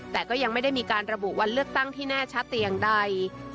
แต่ก็ยังไม่ได้มีการระบุวันเลือกตั้งที่แน่ชัดแต่อย่างใด